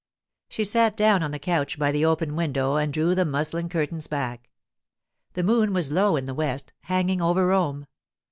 She sat down on the couch by the open window and drew the muslin curtains back. The moon was low in the west, hanging over Rome.